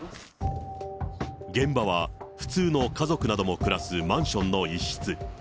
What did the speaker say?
現場は普通の家族なども暮らすマンションの一室。